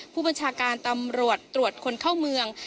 ผู้บัญชาการตำรวจตรวจคนเข้าเมือง